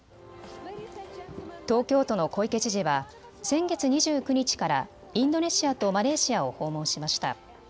東京都の小池知事は先月２９日からインドネシアとマレーシアを訪問しました。